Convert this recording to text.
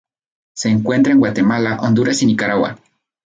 Se encuentra en Guatemala, Honduras, y Nicaragua.